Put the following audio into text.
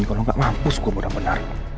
kalau gak mampus gue mudah benar